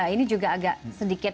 ini juga agak sedikit